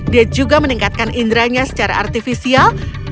dia juga meningkatkan inderanya secara artifisial dengan alat ini